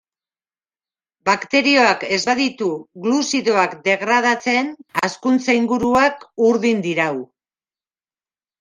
Bakterioak ez baditu gluzidoak degradatzen hazkuntza- inguruak urdin dirau.